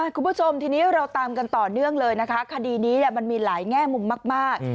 คุณผู้ชมทีนี้เราตามกันต่อเนื่องเลยนะคะคดีนี้มันมีหลายแง่มุมมาก